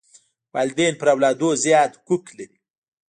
والدین پر اولادونو زیات حقوق لري.